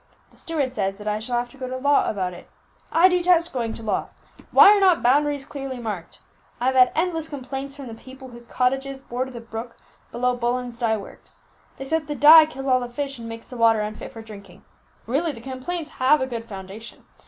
The steward says that I shall have to go to law about it. I detest going to law! Why are not boundaries clearly marked! Then I've had endless complaints from the people whose cottages border the brook below Bullen's dye works; they say that the dye kills all the fish, and makes the water unfit for drinking. Really the complaints have good foundation.